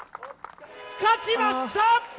勝ちました！